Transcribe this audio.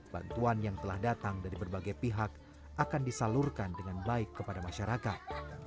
bantuan yang telah datang dari berbagai pihak akan disalurkan dengan baik kepada masyarakat